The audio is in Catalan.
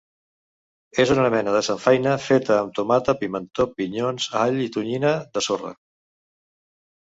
És una mena de samfaina feta amb tomata, pimentó, pinyons, all i tonyina de sorra.